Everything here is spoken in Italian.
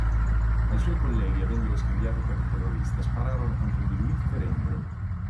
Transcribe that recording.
Ma i suoi colleghi, avendolo scambiato per un terrorista, spararono contro di lui ferendolo.